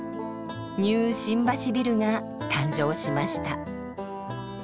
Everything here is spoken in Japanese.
ニュー新橋ビルが誕生しました。